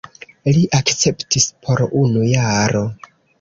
Li akceptis por unu jaro.